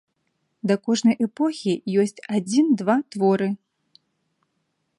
Да кожнай эпохі ёсць адзін-два творы.